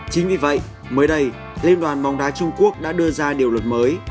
chính vì vậy mới đây liên đoàn bóng đá trung quốc đã đưa ra điều luật mới